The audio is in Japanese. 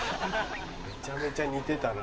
めちゃめちゃ似てたな。